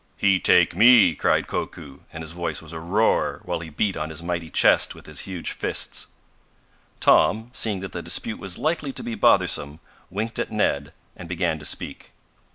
"He take me!" cried Koku, and his voice was a roar while he beat on his mighty chest with his huge fists. Tom, seeing that the dispute was likely to be bothersome, winked at Ned and began to speak.